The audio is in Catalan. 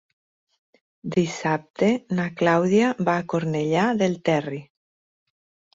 Dissabte na Clàudia va a Cornellà del Terri.